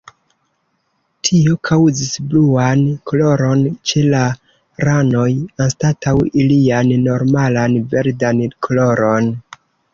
Tio kaŭzis bluan koloron ĉe la ranoj anstataŭ ilian normalan verdan koloron.